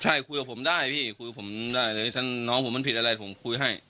ใช่คุยกับผมได้พี่คุยกับผมได้เลยถ้าน้องผมมันผิดอะไรผมคุยให้